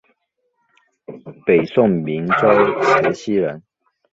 北宋明州慈溪人。